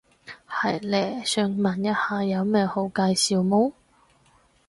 係嘞，想問一下有咩好介紹冇？